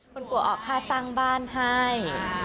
คุณปู่ออกค่ะสร้างบ้านให้